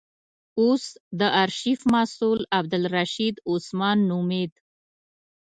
اوس د آرشیف مسئول عبدالرشید عثمان نومېد.